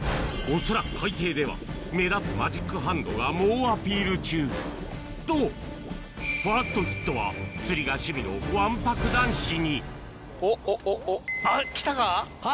恐らく海底では目立つマジックハンドが猛アピール中とファーストヒットは釣りが趣味のわんぱく男子にきたか？